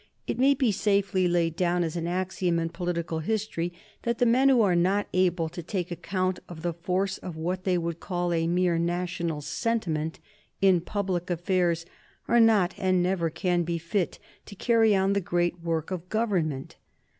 It may be safely laid down as an axiom in political history that the men who are not able to take account of the force of what they would call a mere national sentiment in public affairs are not and never can be fit to carry on the great work of government.